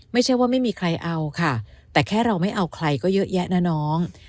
ไม่ใช่ว่าไม่มีใครเอาค่ะแต่แค่เราไม่เอาใครก็เยอะแยะนะน้อง